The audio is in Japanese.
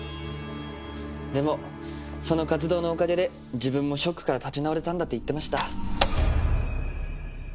でもその活動のおかげで自分もショックから立ち直れたんだって言ってました。